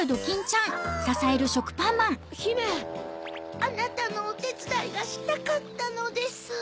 あなたのおてつだいがしたかったのです。